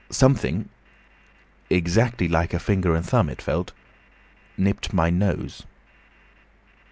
"Something—exactly like a finger and thumb it felt—nipped my nose."